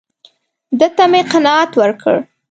ده ته مې قناعت ورکړ.